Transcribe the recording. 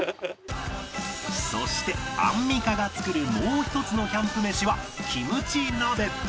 そしてアンミカが作るもう１つのキャンプ飯はキムチ鍋